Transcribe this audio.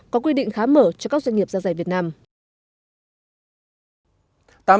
có quy định khá mở cho các doanh nghiệp gia giải việt nam